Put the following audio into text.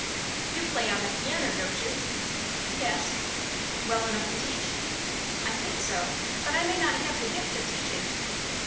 "You play on the pianner, don't you?" "Yes." "Well enough to teach?" "I think so; but I may not have the gift of teaching."